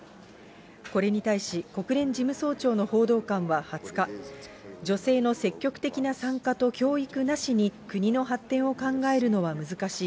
これに対し、国連事務総長の報道官は２０日、女性の積極的な参加と教育なしに、国の発展を考えるのは難しい。